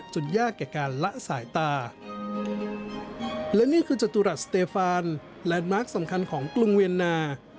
จตุรัสเตฟานและมาร์คสำคัญของกรุงเวียนนา